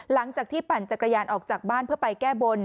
หลังจากที่ปั่นจักรยานออกจากบ้านเพื่อไปแก้บน